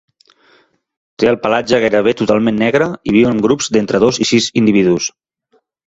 Té el pelatge gairebé totalment negre i viu en grups d'entre dos i sis individus.